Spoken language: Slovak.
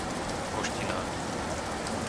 Hoštiná